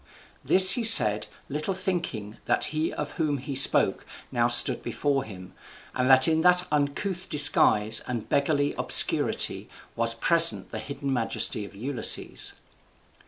This he said, little thinking that he of whom he spoke now stood before him, and that in that uncouth disguise and beggarly obscurity was present the hidden majesty of Ulysses.